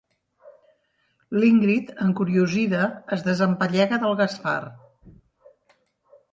L'Ingrid, encuriosida, es desempallega del Gaspar.